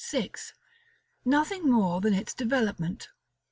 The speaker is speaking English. nothing more than its developement.